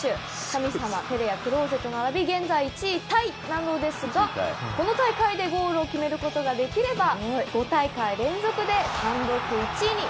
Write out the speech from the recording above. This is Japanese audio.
神様ペレやクローゼと並び現在世界１位タイなのですがこの大会でゴールを決めることができれば５大会連続で単独１位に。